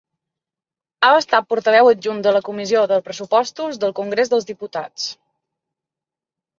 Ha estat portaveu adjunt de la Comissió de Pressupostos del Congrés dels Diputats.